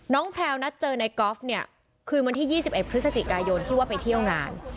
แพลวนัดเจอในกอล์ฟเนี่ยคืนวันที่๒๑พฤศจิกายนที่ว่าไปเที่ยวงาน